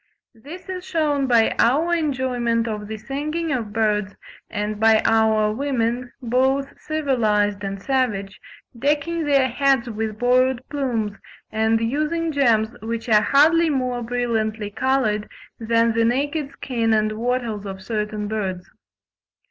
This is shewn by our enjoyment of the singing of birds, and by our women, both civilised and savage, decking their heads with borrowed plumes, and using gems which are hardly more brilliantly coloured than the naked skin and wattles of certain birds.